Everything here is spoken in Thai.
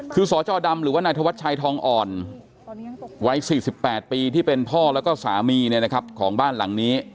คือสจดำหรือว่านททองอ่อนไว้๔๘ปีที่เป็นพ่อและสามีของบ้านหลังนี้